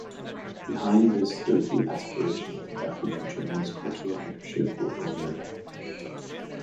Behind this stood the aspiration to document Germany’s cultural leadership within Europe.